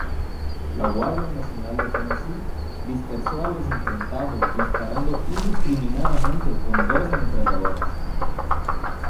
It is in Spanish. La Guardia Nacional de Tennessee dispersó a los enfrentados disparando indiscriminadamente con dos ametralladoras.